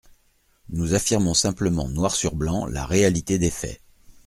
Nous affirmons simplement noir sur blanc la réalité des faits.